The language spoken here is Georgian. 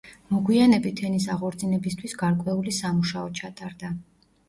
მოგვიანებით ენის აღორძინებისთვის გარკვეული სამუშაო ჩატარდა.